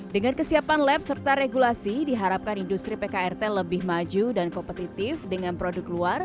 dengan kesiapan lab serta regulasi diharapkan industri pkrt lebih maju dan kompetitif dengan produk luar